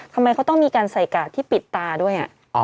ทำไมเขาต้องมีการใส่กาดที่ปิดตาด้วย